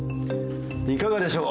いかがでしょう？